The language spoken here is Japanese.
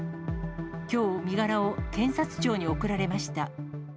きょう、身柄を検察庁に送られました。